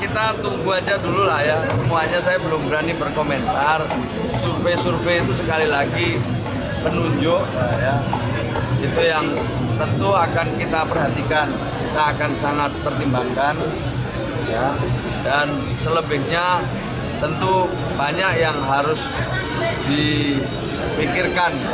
tertimbangkan dan selebihnya tentu banyak yang harus dipikirkan dalam rangka menentukan calon wakil gubernur